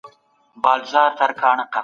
پایله کې ماشوم له ناروغۍ پاک وي.